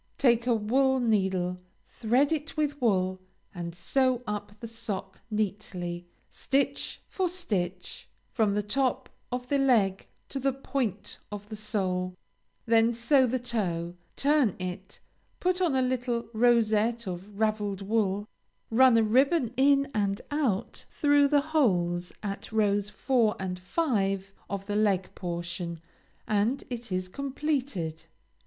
Take a wool needle, thread it with wool, and sew up the sock neatly, stitch for stitch, from the top of the leg to the point of the sole; then sew the toe; turn it; put on a little rosette of raveled wool; run a ribbon in and out through the holes at rows 4 and 5, of the leg portion, and it is completed.